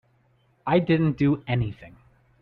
I didn't do anything.